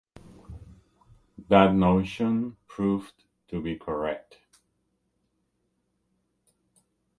That notion proved to be correct.